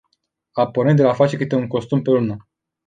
A pornit de la a face câte un costum pe lună.